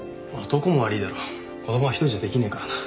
男も悪いだろ子供は１人じゃできねえからな。